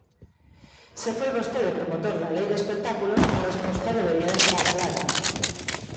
Se foi vostede promotor da Lei de espectáculos, a resposta debería de estar clara.